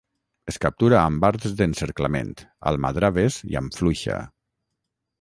Es captura amb arts d'encerclament, almadraves i amb fluixa.